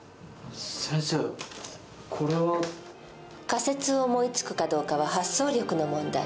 先生これは。仮説を思いつくかどうかは発想力の問題。